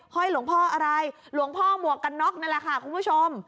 ห้อยหลวงพ่ออะไรหลวงพ่อหมวกกันน็อกนั่นแหละค่ะคุณผู้ชม